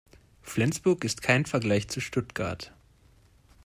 Flensburg ist kein Vergleich zu Stuttgart